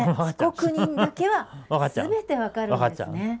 被告人だけは全て分かるんですね。